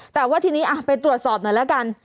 แต่ว่าทีนี้ไปตรวจสอบหน่อยแล้วกัน